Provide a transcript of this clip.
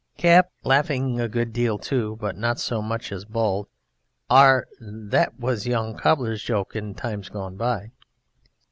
_) CAP (laughing a good deal too, but not so much as BALD): Ar! That was young Cobbler's joke in times gone by.